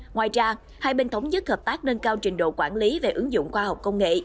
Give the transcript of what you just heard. ngoài ra hai bên thống nhất hợp tác nâng cao trình độ quản lý về ứng dụng khoa học công nghệ